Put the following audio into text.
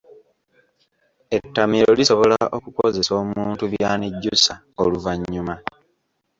Ettamiiro lisobola okukozesa omuntu by’anejjusa oluvannyuma.